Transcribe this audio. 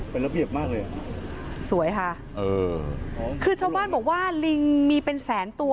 เป็นระเบียบมากเลยอ่ะสวยค่ะเออคือชาวบ้านบอกว่าลิงมีเป็นแสนตัว